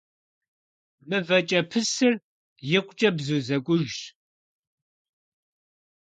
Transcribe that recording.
МывэкӀэпысыр икъукӀэ бзу зэкӀужщ.